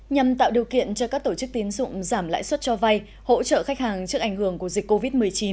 nhằm tạo điều kiện cho các tổ chức tiến dụng giảm lãi suất cho vay hỗ trợ khách hàng trước ảnh hưởng của dịch covid một mươi chín